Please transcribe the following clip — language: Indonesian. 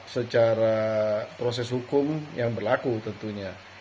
secara proses hukum yang berlaku tentunya